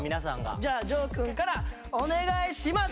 じゃあ丈くんからお願いします。